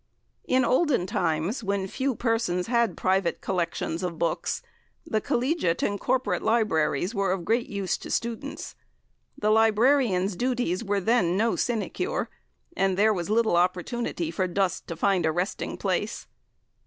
In olden times, when few persons had private collections of books, the collegiate and corporate libraries were of great use to students. The librarians' duties were then no sinecure, and there was little opportunity for dust to find a resting place.